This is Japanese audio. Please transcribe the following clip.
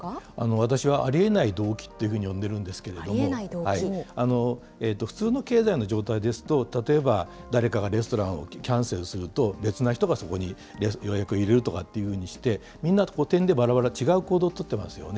私はありえない同期というふうにも呼んでるんですけれども、普通の経済の状態ですと、例えば誰かがレストランをキャンセルすると、別の人がそこに予約入れるとかっていうふうにして、みんなてんでんばらばら違う行動を取ってますよね。